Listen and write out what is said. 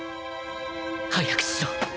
早くしろ